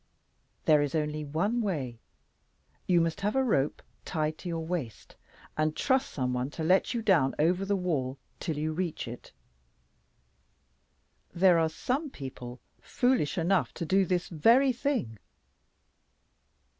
There is only one way. You must have a rope tied to your waist, and trust some one to let you down over the wall till you reach it. There are some people foolish enough to do this very thing.